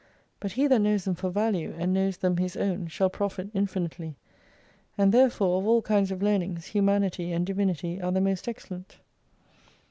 But he that knows them for value, and knows them his own shall profit infin itely. And therefore of all kinds of learnings, humanity and divinity are the most excellent.